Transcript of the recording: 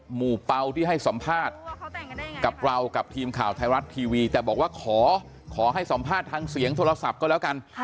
เป่าที่ให้สัมภาษณ์กับเรากับทีมข่าวไทยรัฐทีวีแต่บอกว่าขอให้สัมภาษณ์ทางเสียงโทรศัพท์ก็แล้วกัน